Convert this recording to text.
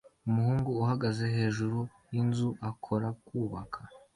Umuhungu uhagaze hejuru yinzu akora kubaka